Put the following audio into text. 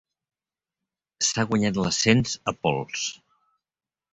S'ha guanyat l'ascens a pols.